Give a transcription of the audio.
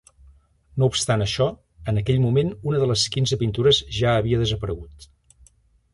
No obstant això, en aquell moment una de les quinze pintures ja havia desaparegut.